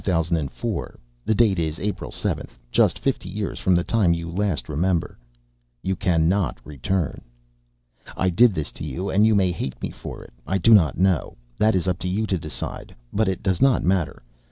The date is April 7th, just fifty years from the time you last remember. "You cannot return. "I did this to you and you may hate me for it; I do not know. That is up to you to decide, but it does not matter.